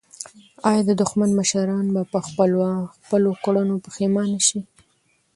آیا د دښمن مشران به په خپلو کړنو پښېمانه شي؟